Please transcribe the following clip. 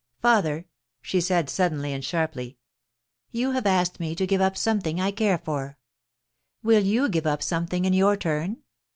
* Father !' she said, suddenly and sharply, * you have asked me to give up something that I care for. Will you give up something in your turn